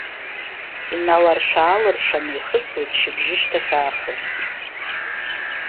Иналаршә-аалыршәаны ихысуеит шьыбжьышьҭахь аахыс.